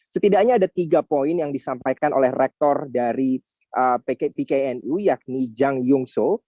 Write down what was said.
setidaknya ada tiga poin yang disampaikan rektor dari pkn u yakni jang william so